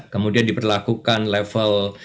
kemudian diperlakukan level